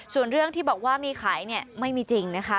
ส่วนเรื่องที่บอกว่ามีขายเนี่ยไม่มีจริงนะคะ